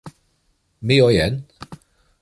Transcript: Me oyen?